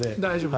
大丈夫。